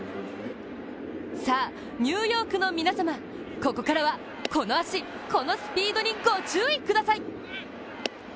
さあ、ニューヨークの皆様、ここからはこの足、このスピードにご注意ください！